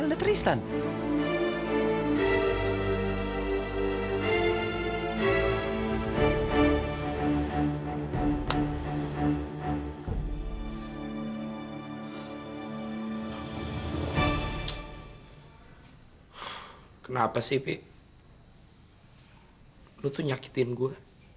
lu tuh nyakitin gue